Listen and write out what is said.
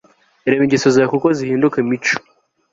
reba ingeso zawe, kuko zihinduka imico